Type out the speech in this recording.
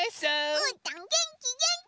うーたんげんきげんき！